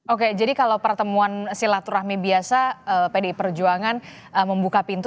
oke jadi kalau pertemuan silaturahmi biasa pdi perjuangan membuka pintu